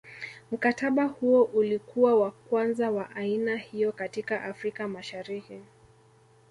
Mkataba huo ulikuwa wa kwanza wa aina hiyo katika Afrika Mashariki